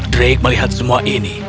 drake melihat semua ini